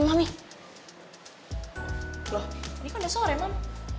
wah ini kan udah sore mam